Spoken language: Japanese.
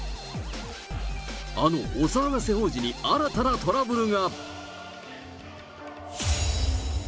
あのお騒がせ王子に、新たなトラブルが。